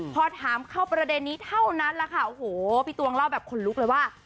พอถามเข้าประเด็นนี้เท่านั้นแหละค่ะโอ้โหพี่ตวงเล่าแบบขนลุกเลยว่า